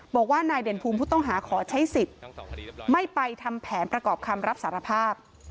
บอกว่านายเด่นภูมิผู้ต้องหาขอใช้สิทธิ์ไม่ไปทำแผนประกอบคำรับสารภาพ